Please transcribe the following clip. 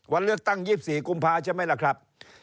วันเลือกตั้ง๒๔กุมภาใช่ไหมล่ะครับ